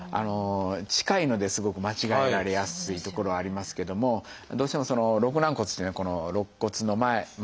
近いのですごく間違えられやすいところはありますけどもどうしても肋軟骨っていうのは肋骨の前の所ですね